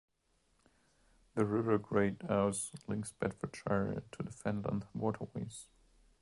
The River Great Ouse links Bedfordshire to the Fenland waterways.